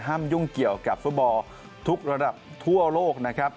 ยุ่งเกี่ยวกับฟุตบอลทุกระดับทั่วโลกนะครับ